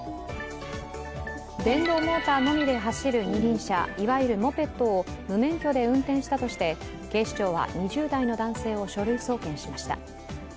電動モーターのみで走る二輪車、いわゆるモペットを無免許で運転したとして警視庁は２０代の男性を書類送検しました。